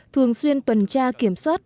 thường xuyên tuần tra kiểm soát